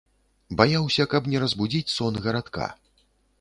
Баяўся, каб не разбудзіць сон гарадка.